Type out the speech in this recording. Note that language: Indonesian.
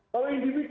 kalau individu itu